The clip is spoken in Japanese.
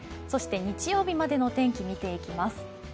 そして、日曜日までの天気見ていきます。